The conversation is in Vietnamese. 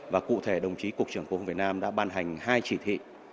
và cụ thể đồng chí cục trưởng cục hàng không việt nam đã ban hành hai chỉ thị